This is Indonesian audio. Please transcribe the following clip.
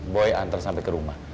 boy antar sampai ke rumah